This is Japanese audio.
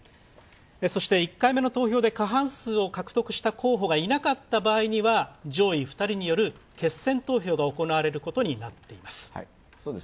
そして、１回目の投票で過半数を獲得した候補がいなかった場合には、上位２人による決選投票が行われることになっています。